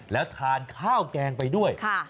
แล้วทานข้าวแกงไปด้วย